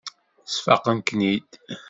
Sfaqen-ken-id.